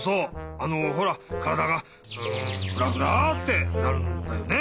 あのほらからだがフラフラってなるんだよね！